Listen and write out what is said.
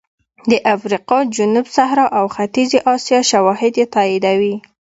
د افریقا جنوب صحرا او ختیځې اسیا شواهد یې تاییدوي